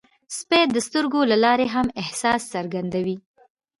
سپي د سترګو له لارې هم احساس څرګندوي.